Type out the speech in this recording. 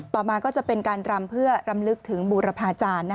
ต่อมาก็จะเป็นการรำเพื่อรำลึกถึงบูรพาจารย์